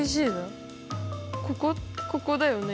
ここここだよね？